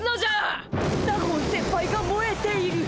納言先輩がもえている。